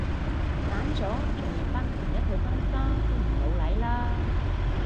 散咗仲用返同一套婚紗都唔老嚟啦